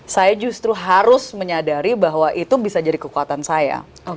saya justru harus menyadari bahwa itu bisa jadi kekuatan saya